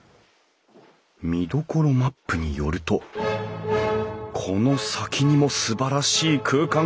見どころマップによるとこの先にもすばらしい空間が。